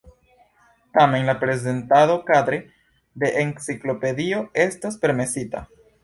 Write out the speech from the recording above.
Tamen la prezentado kadre de enciklopedio estas permesita.